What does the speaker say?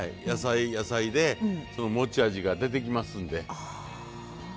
野菜野菜でその持ち味が出てきますんで。